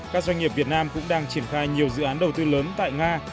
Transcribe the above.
các doanh nghiệp việt nam cũng đang triển khai nhiều dự án đầu tư lớn tại nga